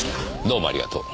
どうもありがとう。